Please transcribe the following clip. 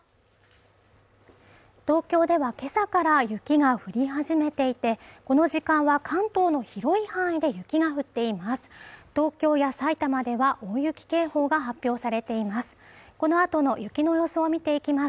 東京では今朝から雪が降り始めていてこの時間は関東の広い範囲で雪が降っています